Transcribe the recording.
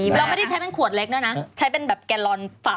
เราไม่ที่ใช้เป็นขวดเล็กนะใช้เป็นแบบแกแกรปั๊บ